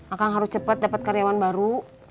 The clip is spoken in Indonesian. akang harus cepet dapet karyawan baru